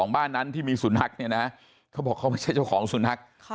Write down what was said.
บ้านนั้นที่มีสุนัขเนี่ยนะเขาบอกเขาไม่ใช่เจ้าของสุนัข